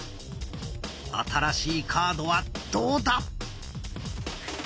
新しいカードはどうだ？